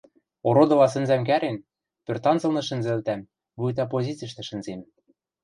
Ородыла сӹнзӓм кӓрен, пӧртанцылны шӹнзӹлтӓм, вуйта позициштӹ шӹнзем.